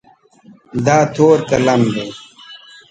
دا تور قلم دی.